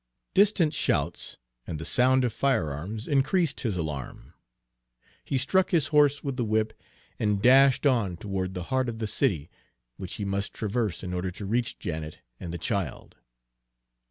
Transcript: Distant shouts, and the sound of firearms, increased his alarm. He struck his horse with the whip, and dashed on toward the heart of the city, which he must traverse in order to reach Janet and the child.